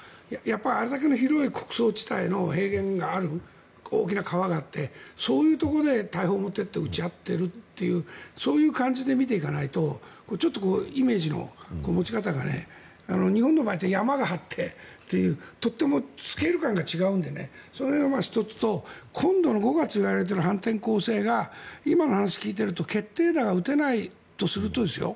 あれだけ広い穀倉地帯の平原がある大きな川があってそういうところで大砲を持っていって撃ち合うという感じで見ていかないとイメージの持ち方が日本の場合、山があってというとてもスケール感が違うのでその辺は１つと５月にいわれている反転攻勢が今の話を聞いていると決定打が打てないとするとですよ